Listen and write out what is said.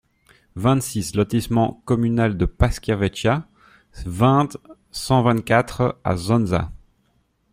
vingt-six lotissement Communal de Pascia Vecchia, vingt, cent vingt-quatre à Zonza